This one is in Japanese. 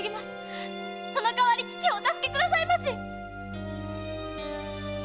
その代わり父をお助けくださいまし！